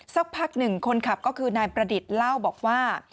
สักพักหนึ่งคนขับก็คือนายประดิษฐ์เล่าบอกว่า